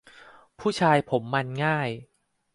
ผู้ชายผมมันง่าย